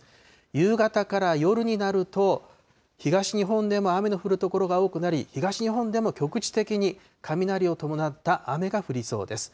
夕方から夜になると、東日本でも雨の降る所が多くなり、東日本でも局地的に雷を伴った雨が降りそうです。